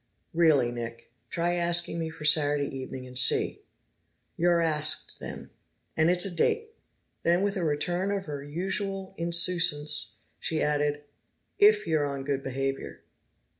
"Really, Nick. Try asking me for Saturday evening and see!" "You're asked, then." "And it's a date." Then, with a return of her usual insouciance, she added. "If you're on good behavior."